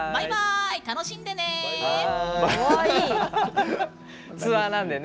楽しんでね！